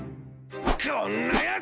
こんなやつ。